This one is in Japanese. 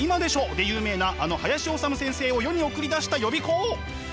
で有名なあの林修先生を世に送り出した予備校。